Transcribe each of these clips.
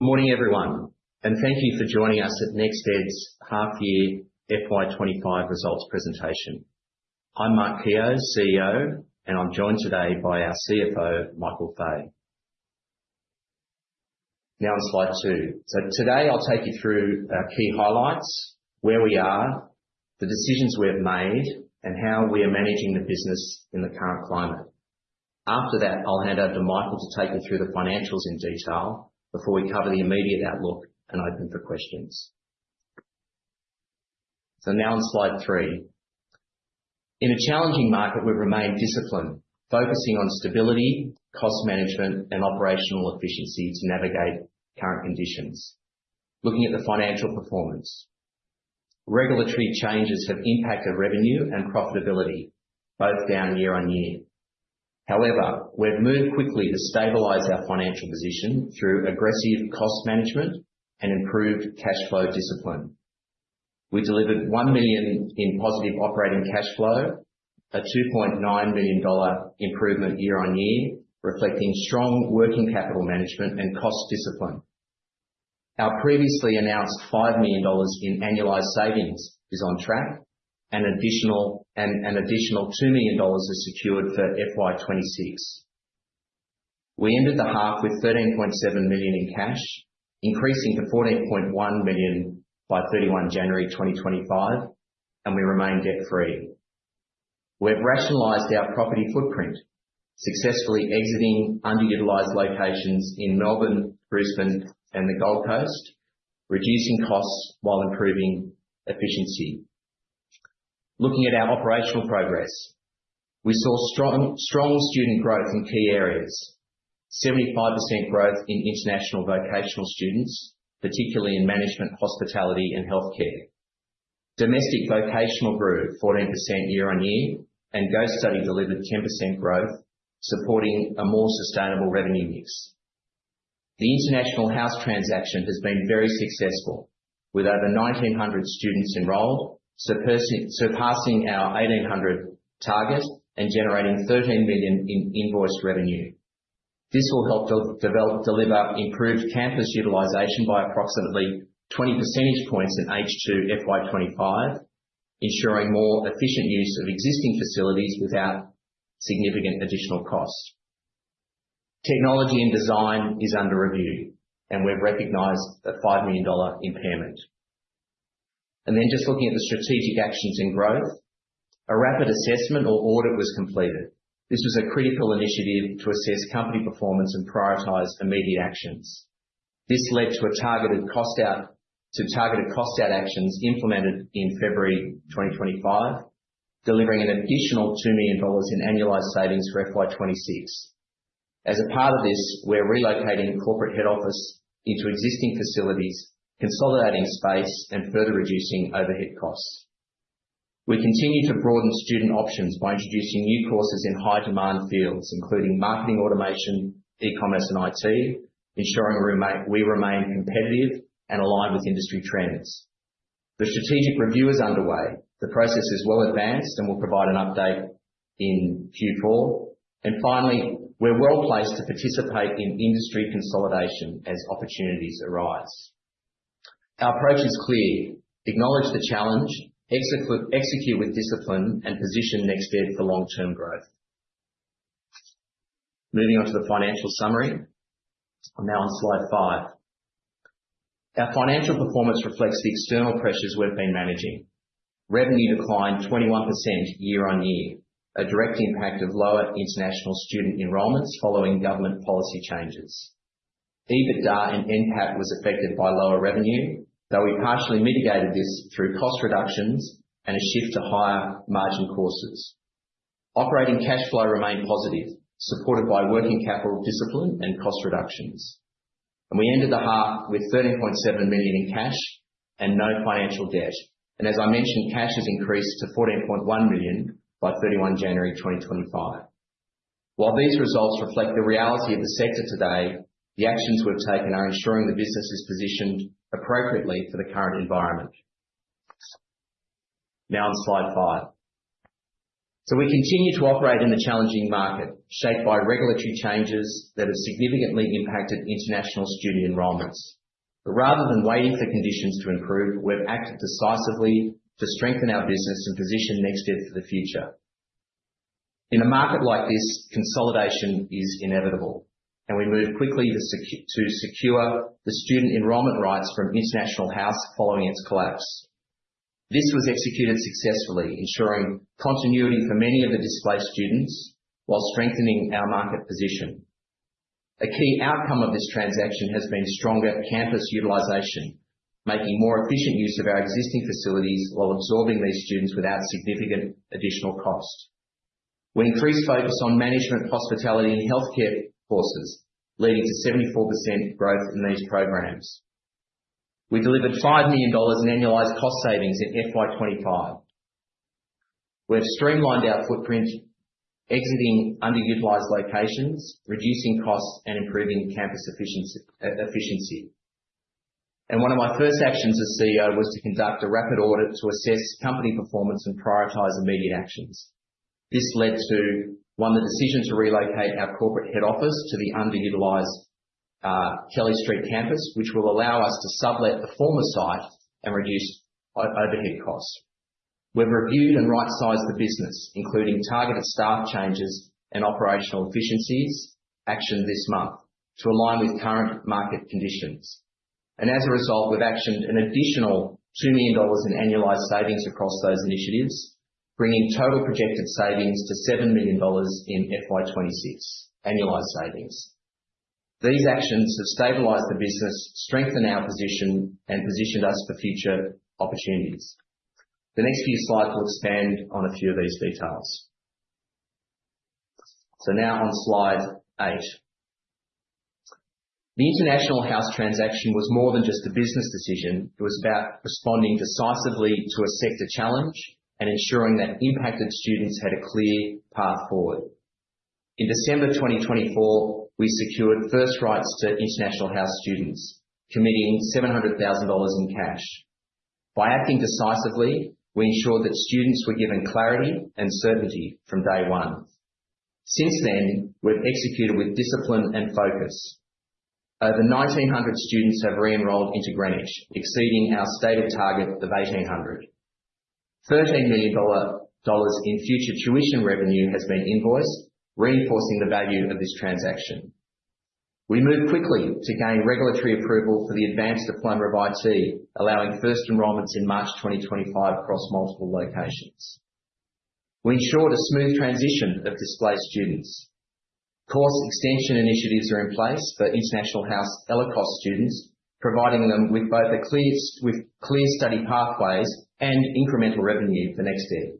Morning, everyone, and thank you for joining us at NextEd's half-year FY25 results presentation. I'm Mark Kehoe, CEO, and I'm joined today by our CFO, Michael Fahey. Now on slide two. So today I'll take you through our key highlights, where we are, the decisions we have made, and how we are managing the business in the current climate. After that, I'll hand over to Michael to take you through the financials in detail before we cover the immediate outlook and open for questions. So now on slide three. In a challenging market, we've remained disciplined, focusing on stability, cost management, and operational efficiency to navigate current conditions. Looking at the financial performance, regulatory changes have impacted revenue and profitability, both down year-on-year. However, we've moved quickly to stabilize our financial position through aggressive cost management and improved cash flow discipline. We delivered $1 million in positive operating cash flow, a $2.9 million improvement year-on-year, reflecting strong working capital management and cost discipline. Our previously announced $5 million in annualized savings is on track, and an additional $2 million is secured for FY26. We ended the half with $13.7 million in cash, increasing to $14.1 million by 31 January 2025, and we remain debt-free. We've rationalized our property footprint, successfully exiting underutilized locations in Melbourne, Brisbane, and the Gold Coast, reducing costs while improving efficiency. Looking at our operational progress, we saw strong student growth in key areas: 75% growth in International Vocational students, particularly in management, hospitality, and healthcare. Domestic Vocational grew 14% year-on-year, and Go Study delivered 10% growth, supporting a more sustainable revenue mix. The International House transaction has been very successful, with over 1,900 students enrolled, surpassing our 1,800 target and generating $13 million in invoiced revenue. This will help deliver improved campus utilization by approximately 20 percentage points in H2 FY25, ensuring more efficient use of existing facilities without significant additional costs. Technology and Design is under review, and we've recognized a $5 million impairment. And then just looking at the strategic actions and growth, a rapid assessment or audit was completed. This was a critical initiative to assess company performance and prioritize immediate actions. This led to targeted cost-out actions implemented in February 2025, delivering an additional $2 million in annualized savings for FY26. As a part of this, we're relocating corporate head office into existing facilities, consolidating space, and further reducing overhead costs. We continue to broaden student options by introducing new courses in high-demand fields, including marketing automation, e-commerce, and IT, ensuring we remain competitive and aligned with industry trends. The strategic review is underway. The process is well advanced and will provide an update in Q4. And finally, we're well placed to participate in industry consolidation as opportunities arise. Our approach is clear: acknowledge the challenge, execute with discipline, and position NextEd for long-term growth. Moving on to the financial summary, I'm now on slide five. Our financial performance reflects the external pressures we've been managing. Revenue declined 21% year on year, a direct impact of lower international student enrollments following government policy changes. EBITDA and NPAT were affected by lower revenue, though we partially mitigated this through cost reductions and a shift to higher margin courses. Operating cash flow remained positive, supported by working capital discipline and cost reductions. We ended the half with $13.7 million in cash and no financial debt. As I mentioned, cash has increased to $14.1 million by 31 January 2025. While these results reflect the reality of the sector today, the actions we've taken are ensuring the business is positioned appropriately for the current environment. Now on slide five. We continue to operate in a challenging market shaped by regulatory changes that have significantly impacted international student enrollments. Rather than waiting for conditions to improve, we've acted decisively to strengthen our business and position NextEd for the future. In a market like this, consolidation is inevitable, and we moved quickly to secure the student enrollment rights from International House following its collapse. This was executed successfully, ensuring continuity for many of the displaced students while strengthening our market position. A key outcome of this transaction has been stronger campus utilization, making more efficient use of our existing facilities while absorbing these students without significant additional cost. We increased focus on management, hospitality, and healthcare courses, leading to 74% growth in these programs. We delivered $5 million in annualized cost savings in FY25. We've streamlined our footprint, exiting underutilized locations, reducing costs, and improving campus efficiency. One of my first actions as CEO was to conduct a rapid audit to assess company performance and prioritize immediate actions. This led to, one, the decision to relocate our corporate head office to the underutilized Kelly Street campus, which will allow us to sublet the former site and reduce overhead costs. We've reviewed and right-sized the business, including targeted staff changes and operational efficiencies actioned this month to align with current market conditions. As a result, we've actioned an additional $2 million in annualized savings across those initiatives, bringing total projected savings to $7 million in FY26 annualized savings. These actions have stabilized the business, strengthened our position, and positioned us for future opportunities. The next few slides will expand on a few of these details. Now on slide eight. The International House transaction was more than just a business decision. It was about responding decisively to a sector challenge and ensuring that impacted students had a clear path forward. In December 2024, we secured first rights to International House students, committing $700,000 in cash. By acting decisively, we ensured that students were given clarity and certainty from day one. Since then, we've executed with discipline and focus. Over 1,900 students have re-enrolled into Greenwich, exceeding our stated target of 1,800. $13 million in future tuition revenue has been invoiced, reinforcing the value of this transaction. We moved quickly to gain regulatory approval for the Advanced Diploma of IT, allowing first enrollments in March 2025 across multiple locations. We ensured a smooth transition of displaced students. Course extension initiatives are in place for International House ELICOS students, providing them with both clear study pathways and incremental revenue for NextEd.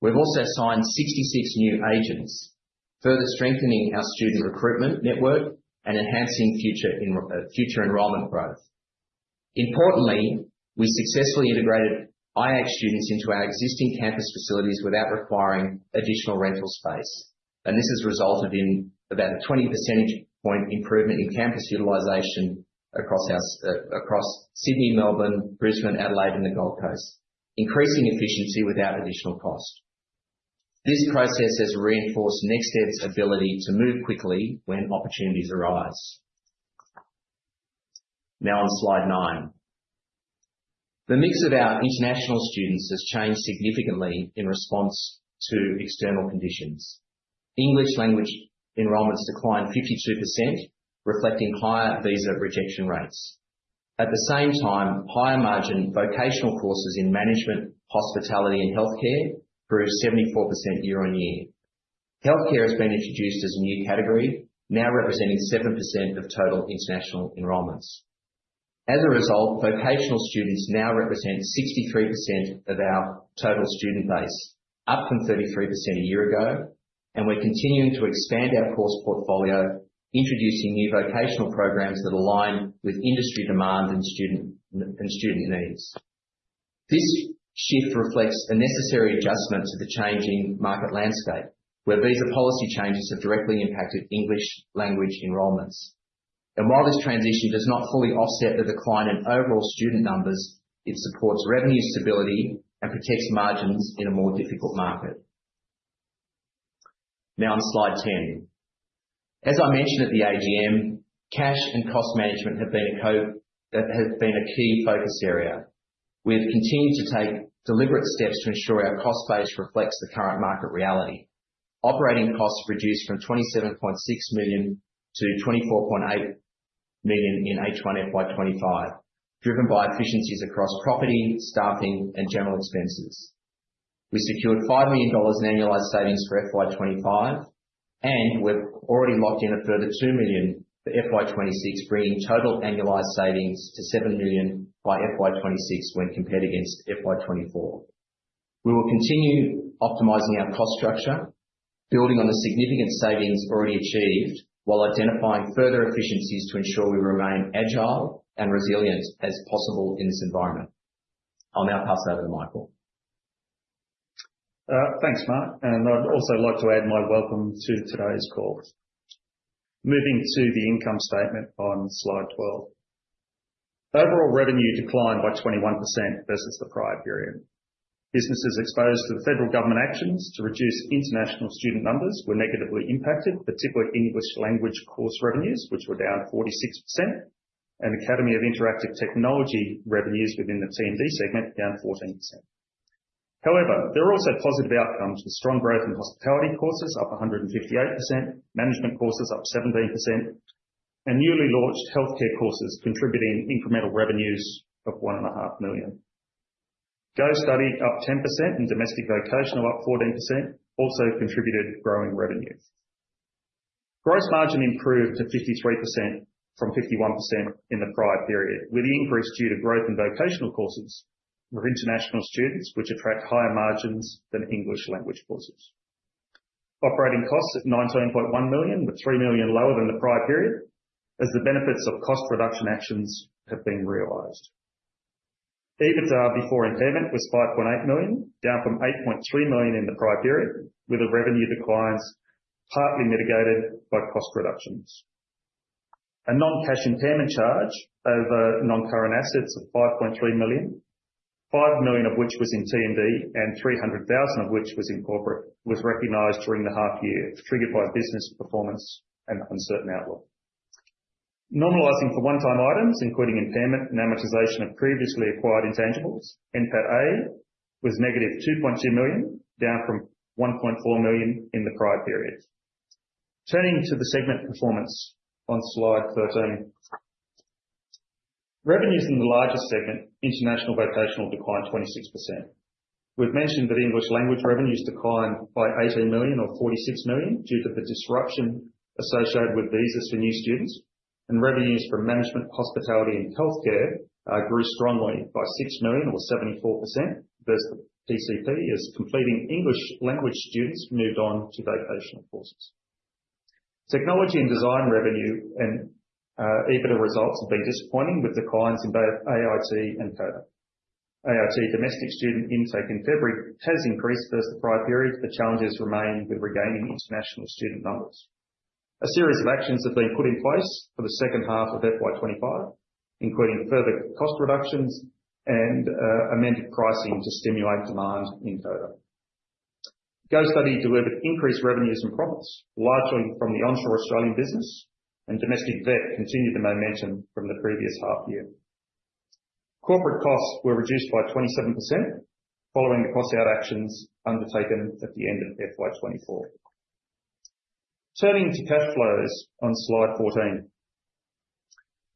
We've also signed 66 new agents, further strengthening our student recruitment network and enhancing future enrollment growth. Importantly, we successfully integrated IH students into our existing campus facilities without requiring additional rental space. And this has resulted in about a 20 percentage point improvement in campus utilization across Sydney, Melbourne, Brisbane, Adelaide, and the Gold Coast, increasing efficiency without additional cost. This process has reinforced NextEd's ability to move quickly when opportunities arise. Now on slide nine. The mix of our international students has changed significantly in response to external conditions. English language enrollments declined 52%, reflecting higher visa rejection rates. At the same time, higher margin vocational courses in management, hospitality, and healthcare grew 74% year-on-year. Healthcare has been introduced as a new category, now representing 7% of total international enrollments. As a result, vocational students now represent 63% of our total student base, up from 33% a year ago, and we're continuing to expand our course portfolio, introducing new vocational programs that align with industry demand and student needs. This shift reflects a necessary adjustment to the changing market landscape, where visa policy changes have directly impacted English language enrollments, and while this transition does not fully offset the decline in overall student numbers, it supports revenue stability and protects margins in a more difficult market. Now on slide ten. As I mentioned at the AGM, cash and cost management have been a key focus area. We have continued to take deliberate steps to ensure our cost base reflects the current market reality. Operating costs reduced from $27.6 million to $24.8 million in H1 FY25, driven by efficiencies across property, staffing, and general expenses. We secured $5 million in annualized savings for FY25, and we've already locked in a further $2 million for FY26, bringing total annualized savings to $7 million by FY26 when compared against FY24. We will continue optimizing our cost structure, building on the significant savings already achieved, while identifying further efficiencies to ensure we remain agile and resilient as possible in this environment. I'll now pass over to Michael. Thanks, Mark, and I'd also like to add my welcome to today's call. Moving to the income statement on slide 12. Overall revenue declined by 21% versus the prior period. Businesses exposed to the federal government actions to reduce international student numbers were negatively impacted, particularly English language course revenues, which were down 46%, and Academy of Interactive Technology revenues within the T&D segment down 14%. However, there are also positive outcomes with strong growth in hospitality courses, up 158%, management courses up 17%, and newly launched healthcare courses contributing incremental revenues of $1.5 million. Go Study up 10% and domestic vocational up 14% also contributed growing revenue. Gross margin improved to 53% from 51% in the prior period, with the increase due to growth in vocational courses of international students, which attract higher margins than English language courses. Operating costs at $19.1 million, with $3 million lower than the prior period, as the benefits of cost reduction actions have been realized. EBITDA before impairment was $5.8 million, down from $8.3 million in the prior period, with the revenue declines partly mitigated by cost reductions. A non-cash impairment charge over non-current assets of $5.3 million, $5 million of which was in T&D and $300,000 of which was in corporate, was recognized during the half year, triggered by business performance and uncertain outlook. Normalizing for one-time items, including impairment and amortization of previously acquired intangibles, NPATA was -$2.2 million, down from $1.4 million in the prior period. Turning to the segment performance on slide 13. Revenues in the largest segment, international vocational, declined 26%. We've mentioned that English language revenues declined by $18 million, or $46 million, due to the disruption associated with visas for new students, and revenues from management, hospitality, and healthcare grew strongly by $6 million, or 74%, versus the PCP, as completing English language students moved on to vocational courses. Technology and design revenue and EBITDA results have been disappointing with declines in both AIT and Coder. AIT domestic student intake in February has increased versus the prior period, but challenges remain with regaining international student numbers. A series of actions have been put in place for the second half of FY25, including further cost reductions and amended pricing to stimulate demand in Coder. Go Study delivered increased revenues and profits, largely from the onshore Australian business, and Domestic VET continued the momentum from the previous half year. Corporate costs were reduced by 27% following the cost out actions undertaken at the end of FY24. Turning to cash flows on slide 14.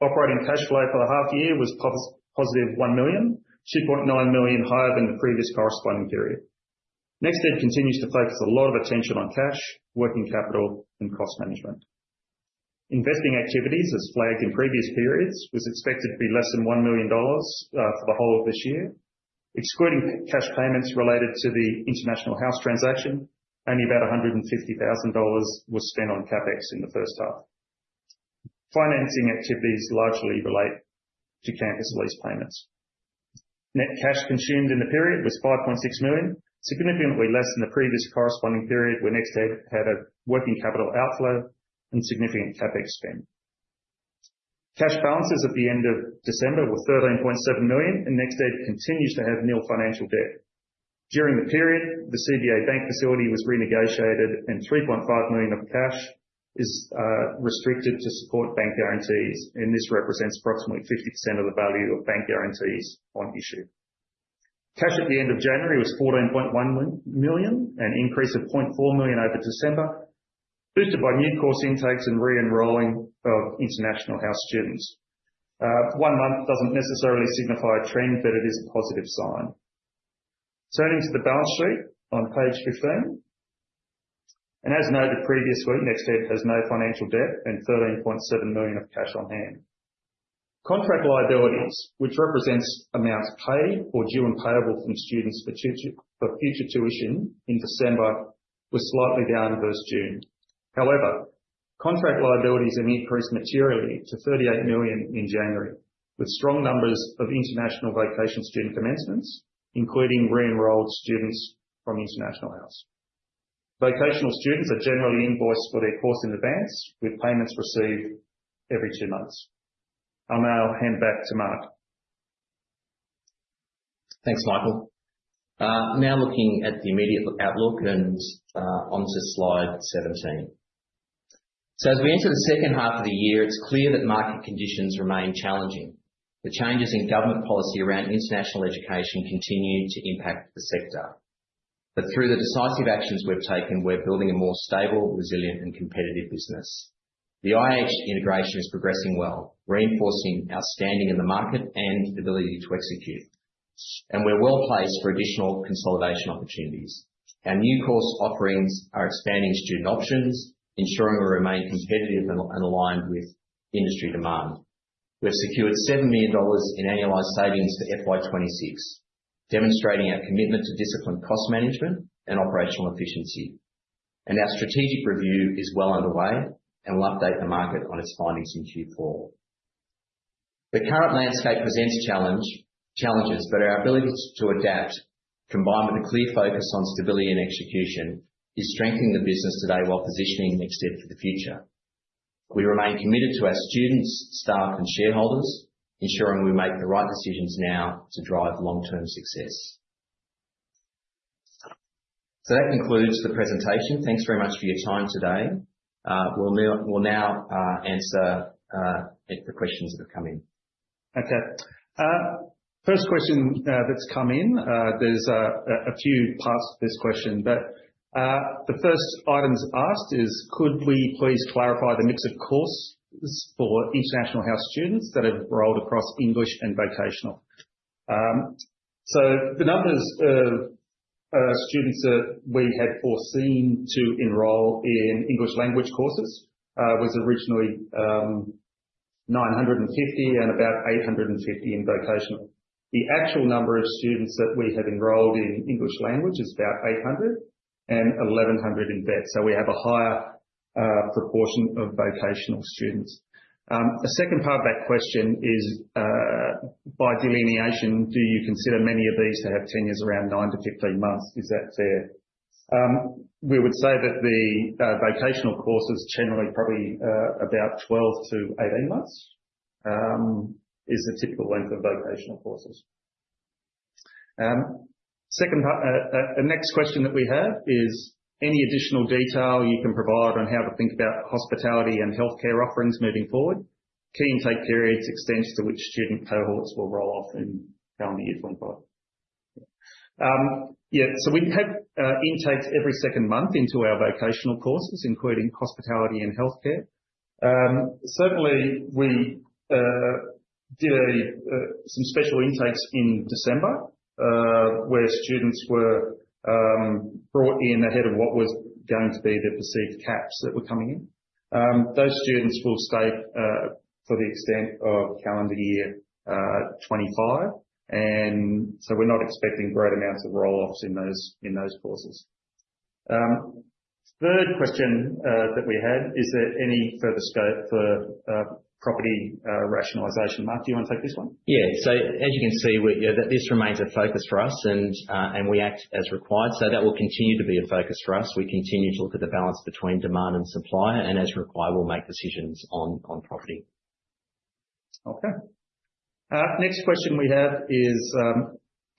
Operating cash flow for the half year was positive $1 million, $2.9 million higher than the previous corresponding period. NextEd continues to focus a lot of attention on cash, working capital, and cost management. Investing activities, as flagged in previous periods, was expected to be less than $1 million for the whole of this year. Excluding cash payments related to the International House transaction, only about $150,000 was spent on CapEx in the first half. Financing activities largely relate to campus lease payments. Net cash consumed in the period was $5.6 million, significantly less than the previous corresponding period, where NextEd had a working capital outflow and significant CapEx spend. Cash balances at the end of December were $13.7 million, and NextEd continues to have nil financial debt. During the period, the CBA bank facility was renegotiated, and $3.5 million of cash is restricted to support bank guarantees, and this represents approximately 50% of the value of bank guarantees on issue. Cash at the end of January was $14.1 million, an increase of $0.4 million over December, boosted by new course intakes and re-enrolling of International House students. One month doesn't necessarily signify a trend, but it is a positive sign. Turning to the balance sheet on page 15. And as noted previously, NextEd has no financial debt and $13.7 million of cash on hand. Contract liabilities, which represents amounts paid or due and payable from students for future tuition in December, were slightly down versus June. However, contract liabilities have increased materially to $38 million in January, with strong numbers of international vocational student commencements, including re-enrolled students from International House. Vocational students are generally invoiced for their course in advance, with payments received every two months. I'll now hand back to Mark. Thanks, Michael. Now looking at the immediate outlook and onto slide 17, so as we enter the second half of the year, it's clear that market conditions remain challenging. The changes in government policy around international education continue to impact the sector, but through the decisive actions we've taken, we're building a more stable, resilient, and competitive business. The IH integration is progressing well, reinforcing our standing in the market and ability to execute, and we're well placed for additional consolidation opportunities. Our new course offerings are expanding student options, ensuring we remain competitive and aligned with industry demand. We've secured $7 million in annualized savings for FY26, demonstrating our commitment to disciplined cost management and operational efficiency. And our strategic review is well underway and will update the market on its findings in Q4. The current landscape presents challenges, but our ability to adapt, combined with a clear focus on stability and execution, is strengthening the business today while positioning NextEd for the future. We remain committed to our students, staff, and shareholders, ensuring we make the right decisions now to drive long-term success. So that concludes the presentation. Thanks very much for your time today. We'll now answer the questions that have come in. Okay. First question that's come in, there's a few parts to this question, but the first item asked is, could we please clarify the mix of courses for International House students that have rolled across English and vocational? So the numbers of students that we had foreseen to enroll in English language courses was originally 950 and about 850 in vocational. The actual number of students that we have enrolled in English language is about 800 and 1,100 in VET. So we have a higher proportion of vocational students. The second part of that question is, by delineation, do you consider many of these to have tenures around 9 to 15 months? Is that fair? We would say that the vocational courses generally probably about 12 to 18 months is the typical length of vocational courses. The next question that we have is, any additional detail you can provide on how to think about hospitality and healthcare offerings moving forward? Key intake periods extend to which student cohorts will roll off in calendar year 2025. Yeah, so we have intakes every second month into our vocational courses, including hospitality and healthcare. Certainly, we did some special intakes in December where students were brought in ahead of what was going to be the perceived caps that were coming in. Those students will stay for the extent of calendar year 2025, and so we're not expecting great amounts of roll-offs in those courses. Third question that we had, is there any further scope for property rationalization? Mark, do you want to take this one? Yeah. So as you can see, this remains a focus for us, and we act as required. So that will continue to be a focus for us. We continue to look at the balance between demand and supply, and as required, we'll make decisions on property. Okay. Next question we have is,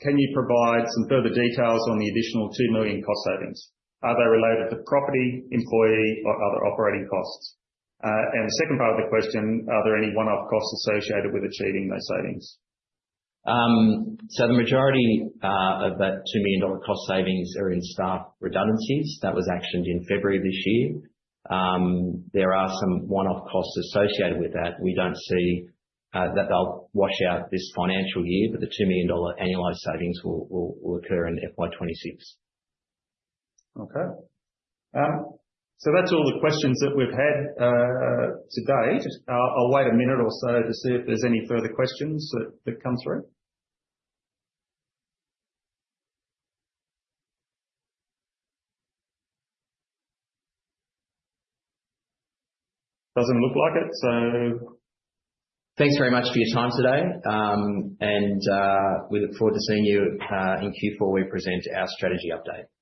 can you provide some further details on the additional $2 million cost savings? Are they related to property, employee, or other operating costs? And the second part of the question, are there any one-off costs associated with achieving those savings? So the majority of that $2 million cost savings are in staff redundancies. That was actioned in February of this year. There are some one-off costs associated with that. We don't see that they'll wash out this financial year, but the $2 million annualized savings will occur in FY26. Okay. So that's all the questions that we've had today. I'll wait a minute or so to see if there's any further questions that come through. Doesn't look like it, so. Thanks very much for your time today, and we look forward to seeing you in Q4 when we present our strategy update. Thank you.